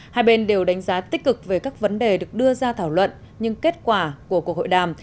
hai bên đều đánh giá tích cực về các vấn đề được đưa ra thảo luận nhưng kết quả của cuộc hội đàm